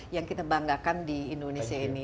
yang kita banggakan di indonesia ini